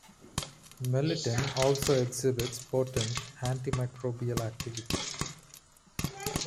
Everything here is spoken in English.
Melittin also exhibits potent anti-microbial activity.